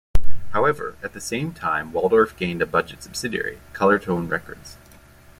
However, at the same time Waldorf gained a budget subsidiary, Colortone Records.